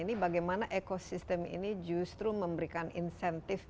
ini bagaimana ekosistem ini justru memberikan insentif